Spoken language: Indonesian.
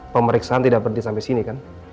pemeriksaan tidak berhenti sampai sini kan